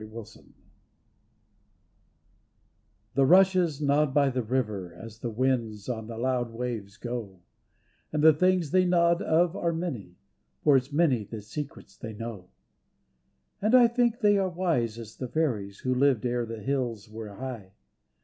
THE RUSHES The rushes nod by the river As the winds on the loud waves go, And the things they nod of are many, For it's many the secret they know. And I think they are wise as the fairies Who lived ere the hills were high.